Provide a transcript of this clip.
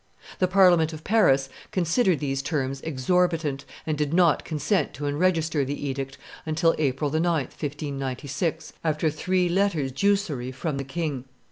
The Parliament of Paris considered these terms exorbitant, and did not consent to enregister the edict until April 9, 1596, after three letters jussory from the king.